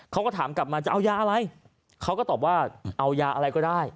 เขาก็ถามกลับมาจะเอายาอะไรเขาก็ตอบว่าเอายาอะไรก็ได้